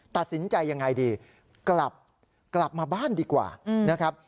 ตัดสินใจยังไงดีกลับมาบ้านดีกว่านะครับ